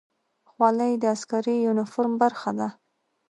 خولۍ د عسکري یونیفورم برخه ده.